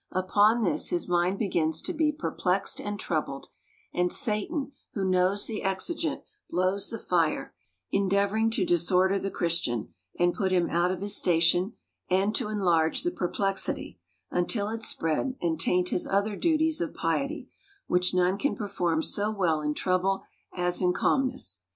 Upon this, his mind begins to be perplexed and troubled; and Satan, who knows the exigent, blows the fire, endeavoring to disorder the Christian, and put him out of his station, and to enlarge the perplexity, until it spread, and taint his other duties of piety, which none can perform so well in trouble as in calmness.